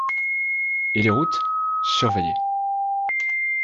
Et les routes ? Surveillées.